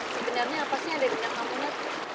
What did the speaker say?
sebenarnya apa sih yang ada di dalam namunnya